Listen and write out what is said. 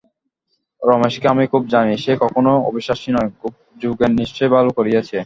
রমেশকে আমি খুব জানি–সে কখনোই অবিশ্বাসী নয়, যোগেন নিশ্চয়ই ভুল করিয়াছে।